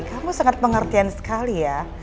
kamu sangat pengertian sekali ya